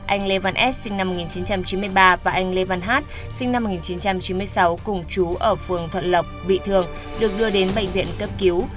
anh lê văn s sinh năm một nghìn chín trăm chín mươi ba và anh lê văn hát sinh năm một nghìn chín trăm chín mươi sáu cùng chú ở phường thuận lộc bị thương được đưa đến bệnh viện cấp cứu